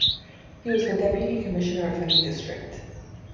He was the Deputy Commissioner of Feni District.